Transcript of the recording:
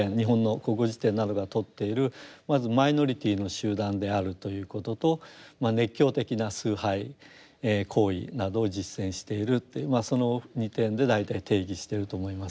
まずマイノリティーの集団であるということと熱狂的な崇拝行為などを実践しているというその２点で大体定義してると思います。